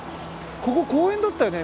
ここ公園だったよね？